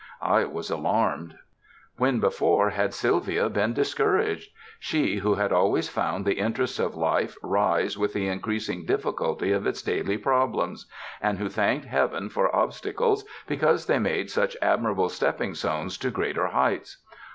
I was alarmed. When before had Sylvia been discouraged? she who had always found the interest of life rise with the increasing difficulty of its daily problems, and who thanked Heaven for obstacles because they made such admirable stepping stones to greater heights.